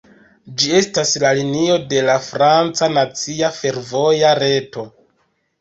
Ĝi estas la linio de la franca nacia fervoja reto.